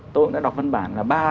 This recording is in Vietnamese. tôi cũng đã đọc văn bản là ba